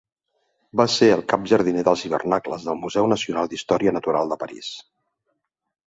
Va ser el cap jardiner dels hivernacles del Museu Nacional d'Història Natural de París.